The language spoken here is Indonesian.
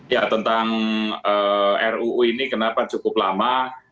ya tentang ruu ini kenapa cukup lama